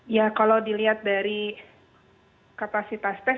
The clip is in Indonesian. ya kalau dilihat dari kapasitas tes